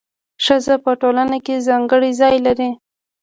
ښځه په ټولنه کي ځانګړی ځای لري.